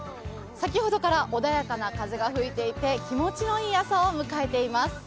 先ほどから穏やかな風が吹いていて、気持ちのいい朝を迎えています。